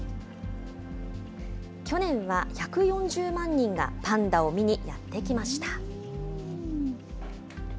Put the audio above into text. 去年は１４０万人がパンダを見にやって来ました。